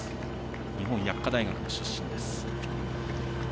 日本薬科大学の出身です。